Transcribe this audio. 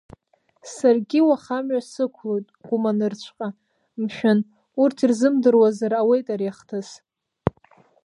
Саргьы уаха амҩа сықәлоит Гәыма нырцәҟа, мшәан, урҭ ирзымдыруазар ауеит ари ахҭыс.